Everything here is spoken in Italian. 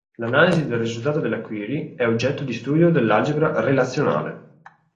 L'analisi del risultato della "query" è oggetto di studio dell'algebra relazionale.